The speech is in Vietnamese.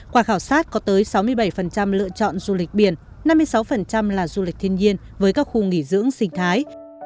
qua khảo sát có tới sáu mươi bảy lựa chọn du lịch biển năm mươi sáu là du lịch thiên nhiên với các khu nghỉ dưỡng sinh thái